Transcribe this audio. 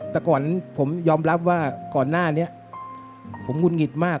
แต่ก่อนผมยอมรับว่าก่อนหน้านี้ผมงุดหงิดมาก